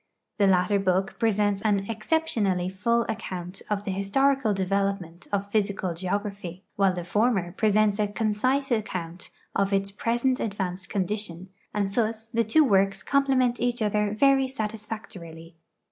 The latter book i>resents an exceptionally full account of the historical development of physical geography, while the former pre.sents a concise acciumt of its present advanced condition, and thus the two works comi)lement each other very satisfactorily.